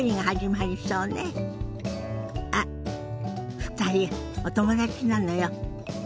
あっ２人お友達なのよ。